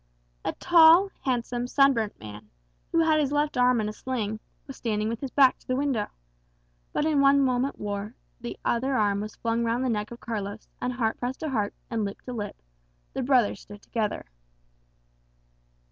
A tall, handsome, sunburnt man, who had his left arm in a sling, was standing with his back to the window. But in one moment more the other arm was flung round the neck of Carlos, and heart pressed to heart, and lip to lip the brothers stood together.